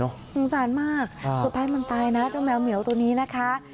สงสารมากสุดท้ายมันตายนะเจ้าแมวเหมียวตัวนี้นะคะ